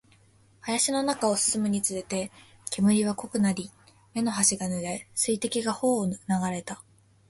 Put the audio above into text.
林の中を進むにつれて、煙は濃くなり、目の端が濡れ、水滴が頬を流れた